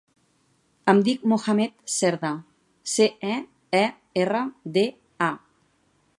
Em dic Mohamed Cerda: ce, e, erra, de, a.